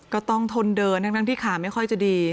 ก็ต้องทนเดินทั้งที่ขาไม่ค่อยจะดี